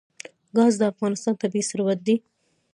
ګاز د افغانستان طبعي ثروت دی.